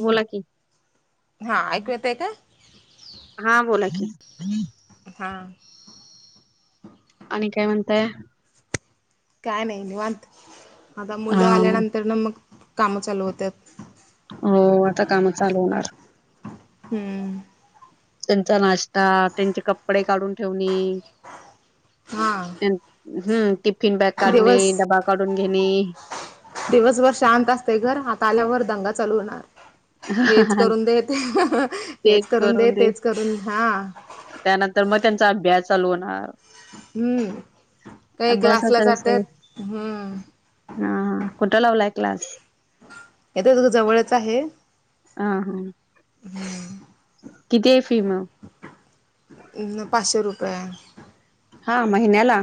बोला की हा ऐकू येतय का? हा बोला की. [inaudible] ह हा आणि काय म्हणताय? काय नाही निवांत आता अ मुलं आल्यानंतर ना मग काम चालू [inaudible] होत हो आता काम चालू होणार. हम्म. त्यांचा नाश्ता, त्यांचे कपडे काढून ठेवणे. हा हम्म टिफिन बॅग काढणे. दिवस डबा काढून घेणे. दिवसभर शांत असते घर आात आल्यावरर दंगा चालू होणार. हेच करून दे, ते हेच करून दे, तेच करून हा. त्यानंतर मग त्यांचा अभ्यास चालू होणार. हम्म. काही क्लासला जातात, हम्म. हा, हा, कुठं लावलाय क्लास. येथेच इथं जवळचं आहे अ हां हम्म किती आहे फी मग पाचशे रुपये आहे हा महिन्याला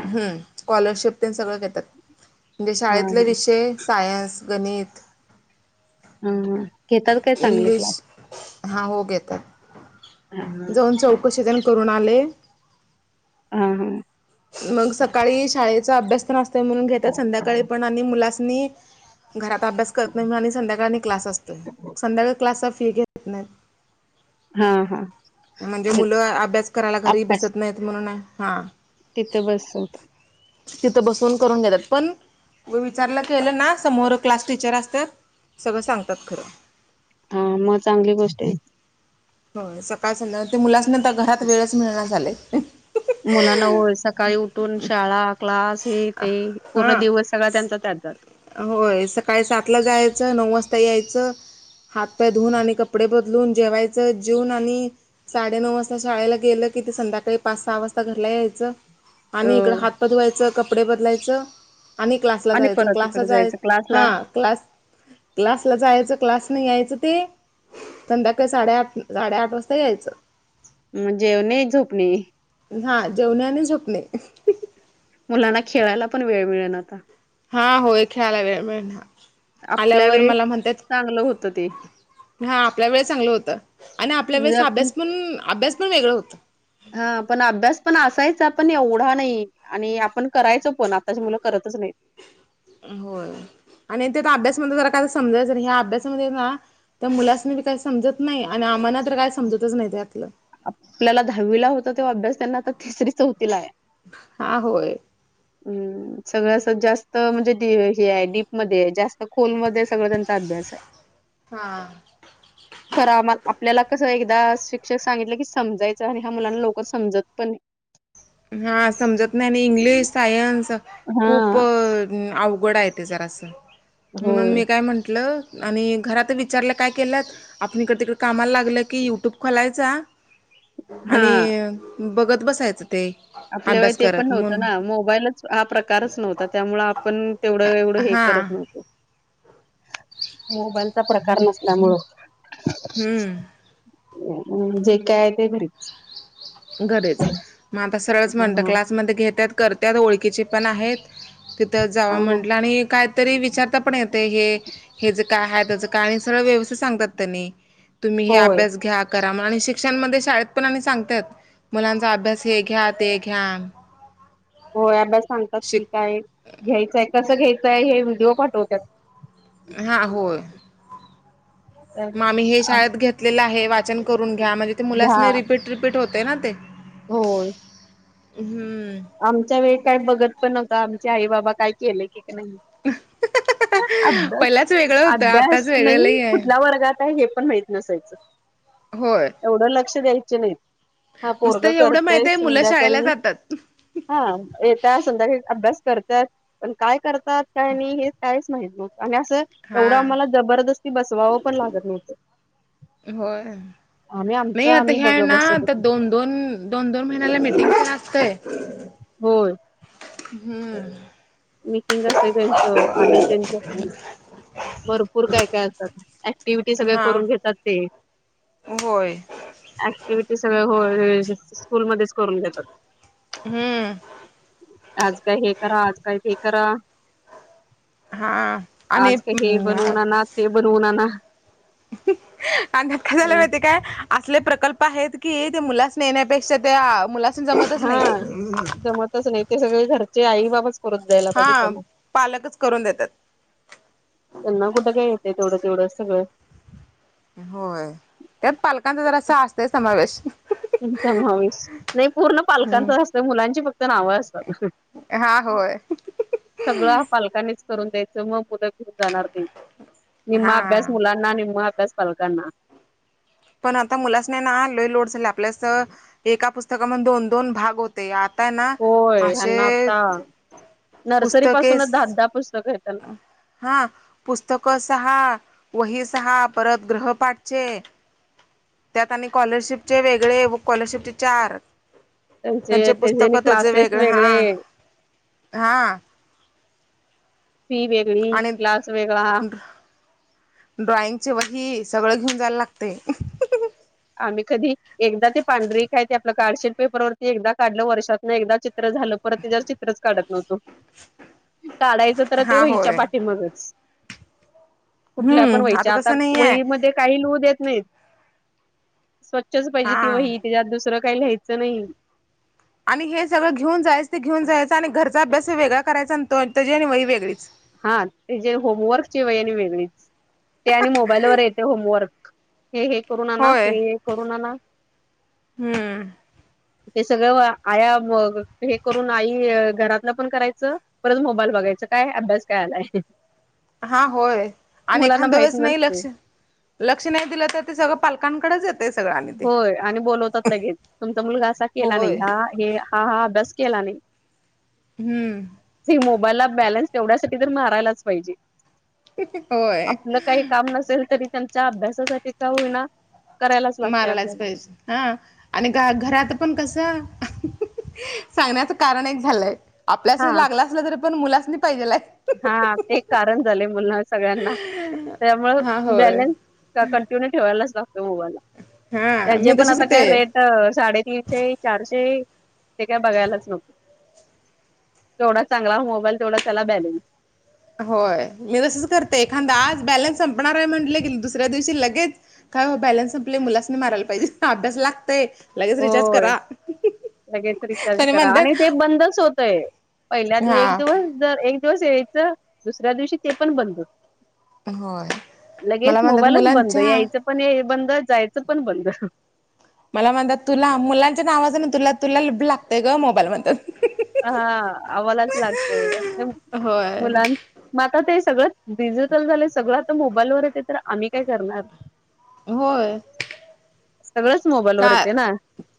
हम्म स्कॉलरशिप ते सगळं देतात हा शाळेतले हा विषय सायनस गणित ह घेतात काय चांगले क्लास हां हो हा घेतांत जाऊंन चौकशी जण करूंन आले ह हा मंग सकाळीं शाळेचा अभ्यास तर असतं म्हणूंन घेतात संध्यांकाळी पण आणि मुलांसनी घरात अभ्यास करत नाही मी आणि संध्याकाळने क्लास असतोय संध्याकाळी क्लासचा फी घेत नाही हा हा म्हणजे मुलं अभ्यास करायला घरी अभ्यास बसत नाहीत म्हणून हा तिथे बस होत तिथं बसवून करून देतात पण व विचारलं की आलं ना समोर क्लास टीचर असतात सगळं सांगतात खरं हा मग चांगली गोष्ट आहे हो सकाळच न ते मुलाच नर घरात वेळच मिळणा झालाय मुलांना होय सकाळीं उठून शाळां क्लास हे ते पूर्ण हा दिवस सगळां त्यांचा त्यांत जातो होय सकाळी सातला जायचं नऊ वाजता यायचं हात पाय धवून आणि कपडे बदलून जेवायच जेवून आणि साडेनऊ वाजता शाळेला गेलं किती संध्याकाळी पाच सहा वाजता घरला यायचं आणि अ इकडं हात पाय धुवायचं कपडे बदलायचं आणि क्लासला आणि जायचं परत तिकडे क जायचं हा क्लासला क्लास क्लासला जायचं क्लास नाही यायचं ते संध्याकाळी साडेआठ साडेआठ वाजता यायचं म्हणजे जेऊन झोपणे हा जेवणे आणि झोपणे मुलांना खेळायला पण वेळ मिळेल आता हा होय खेळाला वेळ मिळेना आपल्या वेळेस चांगलं होतं ते हा आपल्या वेळेस चांगलं होतं आणि आपल्या म्हणजे वेळेस आपण अभ्यास पण अभ्यास पण वेगळं होत हा पण अभ्यास पण असायचा पण एवढा नाही आणि आपण करायचो पण आताची मुलं करतच नाही होय आणि ते अभ्यासमध्ये जरा काय समजायचं ह्या अभ्यासामध्ये ना त्या मुलास नी बी काही समजत नाही आणि आम्हांला तर काय समजतच नाही त्यातलं आपल्याला दहावीला होता तेव्हा अभ्यास त्यांना आता तिसरी चौथीला आहे हा होय हम्म सगळ्या जास्त म्हणजे हे आहे डीप मध्ये आहे जास्त खोलमध्येध्ये सगळं त्यांच्या अभ्यास आहे हा खरा आपल्याला कसं एकदा शिक्षक सांगितलं की समजायचं आणि ह्या मुलांना लवकर समजत पण नाही हा समजत नाही आणि इंग्लिश सायन्स हा खूप अवघड आहेत ते जरा अस म्हणून होय मी काय म्हंटलं आणि घरात विचारलं काय केलंत आपण इकडे तिकडे कामाला लागलं की युट्यूब खोलायचा हा आणि बघत बसायचं ते. आपल्या वेळी अभ्यास ते पण करत नव्हतं म्हणून ना, मोबाईलचं हा प्रकारच नव्हता त्यामुळं आपण तेवढं एवढं हे हा करत न्हावतो, मोबाईलचा प्रकार नसल्यामुळं. हम्म! जे काय ते घरीच. घरीच, मग आता सरळच म्हणतात क्लासमध्ये घेतात करत्यात ओळखीचे पण आहेत तिथं जावा हा म्हटलं आणि कायतरी विचारता पण येते हे हे ज काय आहे त्याचं काय आणि सरळ व्यवस्थित सांगतात त्यांनी. तुम्ही हे होय अभ्यास घ्या करा आणि शिक्षणमध्ये शाळेत पण आणि सांगतात मुलांचा अभ्यास हे घ्या ते घ्या. होय अभ्यास सांगतात शिक की काय घ्यायचंय कसं घ्यायचंय हे व्हिडिओ पाठवतात. हा होय! मग आम्ही हे शाळेत घेतलेलं आहे, वाचन करून घ्या म्हणजे ते मुलासनी रिपीट रिपीट होते ना ते. हो! हम्म! आमच्या वेळी काय बघत पण न्हवतं आमचे आई बाबा काय केले की का नाही. अभ पहिलाच वेगळं होतं आताच अभ्यास वेगळं नाही लई आहे कुठल्या वर्गात आहे हे पण माहित नसायचं. होय! एवढं लक्ष द्यायचे नाही, हा नुसतं पोरगं एवढं माहित करतंय आहे मुलं शाळेला संध्याकाळी जातात हा येतात संध्याकाळी अभ्यास करतात पण काय करतात काय नाही हे काहीच माहीत नव्हतं आणि असं हा एवढं आम्हाला जबरदस्ती बसवावं पण लागत नव्हतं. होय, आम्ही नाही आमचं आता आम्ही हे बघ आहे ना बसत आता होतो दोन दोन, दोन दोन महिन्याला मिटिंग पण असतंय. होय! हम्म! मीटिंग असतंय त्यांचं आणि त्यांच भरपूर काय काय अँक्टिव्हिटी सगळे हा करून घेतात ते. होय अँक्टिव्हिटी सगळं होय व्यवस्थित स्कूलमध्येच करून घेतात. हम्म! आज काय हे करा, आज काय ते करा. हा आणि आज काय हे बनवून आणा, ते बनवून आणा. अगं काय झालं माहिती का? असले प्रकल्प आहेत की ते मुलासनी येण्यापेक्षा त्या मुला जमतच नाही ते. तसं नाही ते सगळे घरचे आई बाबाच करत दयला पाहिजे हा त्यांना. पालकच करून देतात त्यांना कुठं काय येतं, तेवढं तेवढं सगळं. होय, त्यात पालकांचा जरासा असतंय समावेश. समावेश, नाही पूर्ण पालकांच असतं मुलांची फक्त नावं असतात. हा होय सगळं पालकांनीच करून द्यायचं, मग मुलं घिऊन जाणार ते, निम्मा अभ्यास हा मुलांना निम्मा अभ्यास पालकांना. पण आता मुलासानी ना लय लोड झाला आपल्यावेळेस एका पुस्तकामध्ये दोन दोन भाग हो -ते आता ना अशे नर्सरीपासूनच दहादहा पुस्तकं आहेत त्यांना. हा पुस्तक सहा, वही सहा, परत ग्रहपाठचे. त्यात आणि स्कॉलरशिपचे वेगळे व स्कॉलरशिपचे चार. त्यांचे त्याचे पुस्तक आणि त्याच क्लासेस वेगळ हा. वेगळे हा. फी वेगळी आणि क्लास वेगळा. ड्रॉइंगची वही सगळं घेऊन जायला लागतय. आम्ही कधी एकदा ते पांढरी काय ते आपलं कार्डशीट पेपरवरती एकदा काढलं वर्षातन एकदाचे चित्र झालं परत त्याच्यावर चित्रच काढ नव्हतो. [inaudible] काढायचं तर ते हा वहीच्या होय पाठी मागच. कुठल्या पण हम्म वहीच्या आता तसं नाही आहे वहीमध्ये काही लिहू देत नायत. स्वच्छच पाहिजे ती हा वही त्याच्यात दुसरं काय लियचं नाई. आणि हे सगळ घीऊन जायाचं ते घीऊन जायचं आणि घरचा अभ्यास वेगळा करायचा तो त्याजी आणि वही वेगळीच. हा ते जे होमवर्कची व्हय आणि वेगळीच ते आणि मोबाईल वर येते होमवर्क. हे हे करुन आना होय. हे हे करुून आना. हम्म ते सगळं आया हे करून आई घरातलं पण करायचं. परत मोबाईल बघायचां काय अभ्यास काय आलाय. हा होय आणि मुलांना एखादा माहित वेळेस नाय नसतय लक्ष लक्ष नाय दिलं तर ते सगळं पालकांकडच येत होय आणि बोलवतात लगेच तुमचा मुलगा असा केला नाय होय. हा हे हा हा अभ्यास केला नाय. हम्म. ते मोबाईल ला बॅलन्स तेवड्यासाठी तर मारायलाच पाहिजे. होय आपलं काही काम नसेल तरी त्यांच्या अभ्यासासाठी का होईना करायलाच लागतय मारालाच आपल्याला. पाहिजे हा आणि घरात पण कसं सांगण्याचं कारण एक झालंय आपल्यास हा लागला असल तरी पण मुलासनी पाहिजेलाय. हा ते एक कारण झालय मुल सगळ्यांना. त्यामुळ हा होय बॅलन्स कंटिन्यू ठेवायलाच लागतो मोबालाईला. हा त्याजे मी पण तशीच आता काय होते. रेट हो साडेतीनशे चारशे ते काय बघायलाच नव्हतो. तेवढा चांगला मोबाईल तेवढा त्याला बॅलन्स. होय मी तसंच करते एखादा आज बॅलन्स संपणार हाय म्हटलं की दुसऱ्या दिवशी लगेच काय ओ बॅलन्स संपलय मुलासनी मारयला पाहिजे अभ्यास लागतय. लगेच रिचार्ज होय करा लगेच रिचार्ज तरी करा म्हणतात आणि ते बंदच होत चय पहिल्या एक हा दिवस जर एक दिवस यायचं दुसऱ्या दिवशी ते पण बंद. होय लगेच मला म्हणतात मोबाईलच बंद मुलांच्या यायचं पण बंद जायचं पण बंद. मला म्हणतात तुला मुलांच्या नावाचं न तुला तुला लागतय ग मोबाईल म्हणतात. हा आम्हालाच लागतय होय मुलांन मग आता ते सगळं डिजिटल झालय सगळं आता मोबाईलवर ए तर आम्ही काय करणार. होय सगळंच मोबाईल वर येतं ना.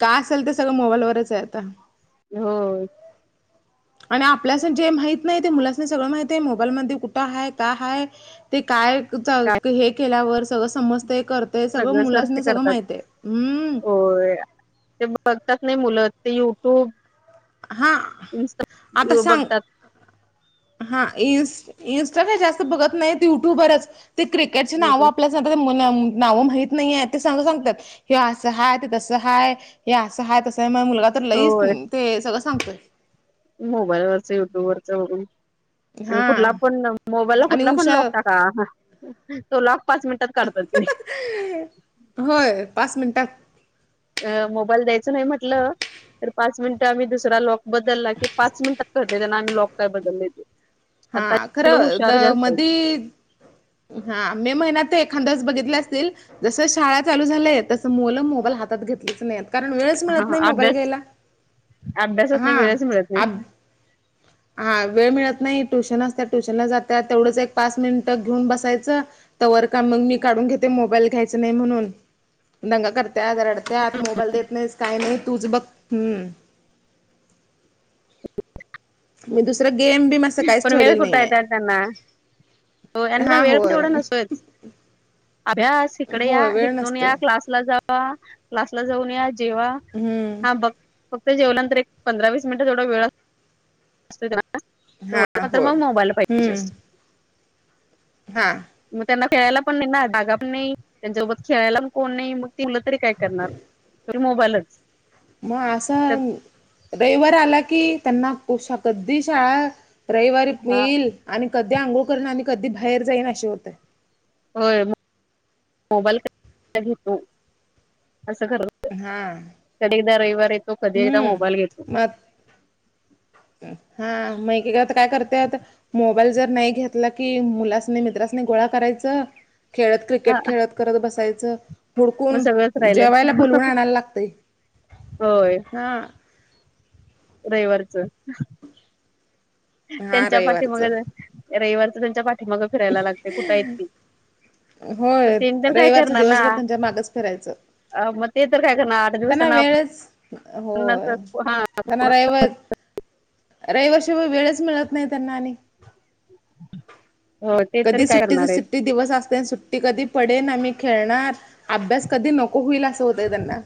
काय असल ते सगळं मोबाईलवरच हाय आता. हो. आणि आपल्यासनी जे माहित नाय ते मुलासना सगळं माहित आय मोबाईलमध्ये कुठं हाय का हाय. ते काय काय हे केल्यावर सगळं समजत कर ते सगळं सर्च मुलांनी सगळं करतात माहितय हम्म. होय ते बघतात नाय मुलं ते यूट्यूब हा इनस्टा आता सांग बघतात. हा इ-इन्स्टा जास्त बघत नायत युट्युबरच ते क्रिकेटची नाव आपल्या ते सगळे मुन नावं माहीत नाहीये ते सगळ सांग सांगतात. हे असं हाय ते तसं हाय हे असं हय तसं आहे म मुलगा तर लईच ते सगळं सांगतोय. मोबाईल वरच युट्यूब वरच बघून. आणि हा कुठला पण मोबाईलला आणि कुठला पण उषा लॉक टाका ह. तो लॉक पाच मिनिटात काढतात किनाय. होय पाच मिनिटात. अ मोबाईल द्यायच नाही म्हटलं. तर पाच मिनिटं आम्ही दुसरा लॉक बदलला की पाच मिनिटात कळतंय त्यांना आम्ही लॉक काय बदलले ते आता हा ची मुलं खरं हुशार तर जास्त आहेत.. मधी हा मे महिन्यात एखाद्याच बघितले असतील जस शाळ चालू झालंय तस मुलं मोबाईल हातात घेतलीच नाही आता कारण वेळच मिळत हा नाही मोबाईल अभ्यास घ्यायला अभ्यासात नाही हा वेळच मिळत आ. नाही हा वेळ मिळत नाही ट्युशन असत ट्युशनला जातात तेवढंच एक पाच मिनिट घेऊन बसायचं. तवर का मग मी काढून घेते मोबाईल घ्यायच नाही म्हणून. दंगा करत्यात रडत्या मोबाईल देत नाहीस काही नाही तूच बघ हम्. मी दुसरं गेम बीम असं काहीच पण वेळ ठेवलेलं कुठा य नाहीये. त्यांना हो यांना हा वेळ तेवढा होय नसतोयच. अभ्यास इकडे या होय वेळ इथून नसतोय या क्लास. ला जावा क्लासला जाऊन या जेवा हम्म. हा बघ. फक्त जेवलानंतर एक पंधरा वीस मिनिट जेवढा वेळ असतो त्याला हा तेवढा तर होय मग मोबाईल पाहिजे हम्म असत. हा. मग त्यांना खेळायला पण नाही ना जागा पण नाही त्यांच्यासोबत खेळायला पण कोण नाही मग ती मुलं तरी काय करणार. तरी मोबाईलच. मग असं रविवार आला की त्यांना उषा कधी शाळा. रविवारी हा फील आणि कधी अंघोळ करन आणि कधी बाहेर जाईन असे होतं. होय मोबाईल घेतो असं कर. हा कधी एकदा रविवार येतो कधी एकदा हम्म मोबाईल घेतो. मग हा मै एकेकाच काय करतय आता मो. मोबाल जर नाही घेतला की मुलास मित्रासने गोळा करायच खेळत हा क्रिकेट खेळत. करत बसायचं. मग हुडकून सगळंच राहिलं जेवायला बोलवून आणायला लागतेय हा. रविवारचं. हा त्यांच्या पाठीमाग रविवारचं रविवारच त्यांच्या पाठीमाग फिरायला लागते कुठं येत ती. मग होय ते तर रविवारचा दिवसभर त्यांच्या मागच फिरायचं. अ म ते तर काय करणार. आठ त्यांना दिवसांना वेळच हो आपण असं हा त्यांना रविवारच रविवार शिवाय वेळच मिळत नाही त्यांना आणि. [inaudible] तरी कधी काय सुट्टी च करणार आहेत सुट्टी दिवस असते सुट्टी कधी पडेन आम्ही खेळणार. अभ्यास कधी नको होईल असं होतंय त्यांना.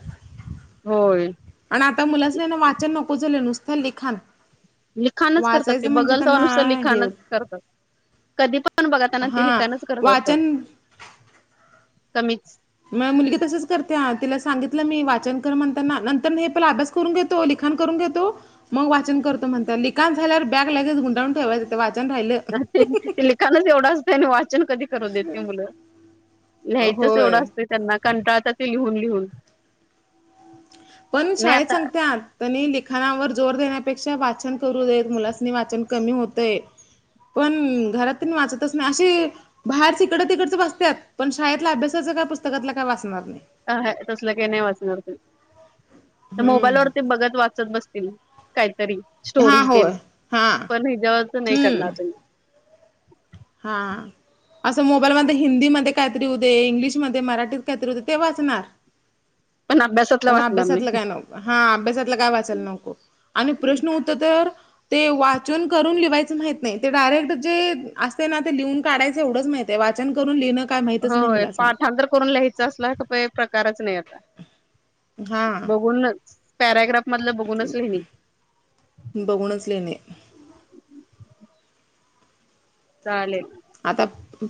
होय. आणि आता मुलासनी नाही ना वाचन नको झालं नुसतं लिखान. लिखाणच करतात ते बघल तवा नुसत हे लिखाणच करतात कधी पण. पण बघा त्यांना ते हा लिखाणच करत असतात वाचन कमीत. माया मुलगी तसच करतेया तिला सांगितलं मी वाचन कर म्हणताना नंतर नाही पेला अभ्यास कुरून घेतो लिखाण करून घेतो मग वाचन करतो म्हणता लिखाण झाल्यावर बॅग लगेच गुंडाळून ठेवायचं ते वाचन राहिलं. ते ते लिखाणच एवढं असतं आणि वाचन कधी करू देते मुलं. लिहायचंच एवढं होय. असतं त्यांना कंटाळतात ते लिहून लिहून. पण नाही शाळेत सांगत्यात त्यांनी लिखाणावर जोर देण्यापेक्षा वाचन करू देत, मुलासनी वाचन कमी होतय. पण घरात तेन वाचतच नाही, अशी बाहेरचा इकडं तिकडचं वाचत्यात, पण शाळेतला अभ्यासाचं काय पुस्तकातला काय वाचणार नाही. आं हा तसलं काही नाही वाचणार, तर हम्म मोबाईल वरती बघत वाचत बसतील. काहीतरी हा स्टोरी तेन होय. हा पण हेज्यावरचं नाही हम्म करणार तेनी. हा. असं मोबाईलमध्ये हिंदीमध्ये काहीतरी येऊदे, इंग्लिशमध्ये मराठीत काहीतरी येऊदे ते वाचणार. पण अभ्यासातला पण वाचणार अभ्यासातलं नाही काय नको हा अभ्यासातलं काय वाचायला नको. आणि प्रश्न उत्तर तर ते वाचन करून लिवायचं माहित नाही ते डायरेक्ट जे असते ना ते लिहून काढायचं, एवढंच माहितेय, वाचन करून लिहिणं काय माहितच नाही होय मुलासनी पाठांतर करून लही च्या असलं तर पेय प्रकारच नाही आता, हा बघूनच पॅराग्राफमधलं बघूनच लिहिनी. बघूनच लिहिणे चालेल आता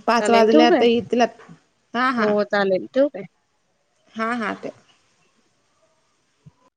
पाच चालेल वाजले, ठेवू काय आता येतील आत हा हा. हो चालेल ठेवू काय हा हा ठेव.